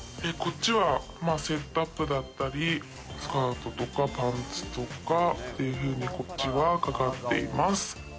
こっちはセットアップだったり、スカートとかパンツとか、というふうに、こっちはかかっています。